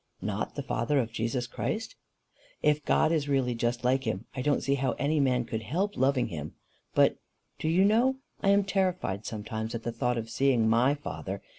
"Not the father of Jesus Christ?" "If God is really just like him, I don't see how any man could help loving him. But, do you know? I am terrified sometimes at the thought of seeing MY father.